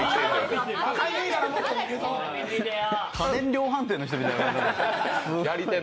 家電量販店の人みたい。